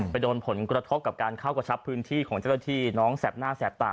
ไปโดนผลกระทบกับการเข้ากระชับพื้นที่ของเจ้าหน้าที่น้องแสบหน้าแสบตา